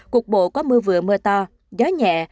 cuộc bộ có mưa vừa mưa to gió nhẹ